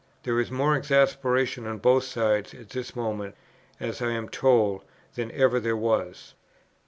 There is more exasperation on both sides at this moment, as I am told, than ever there was."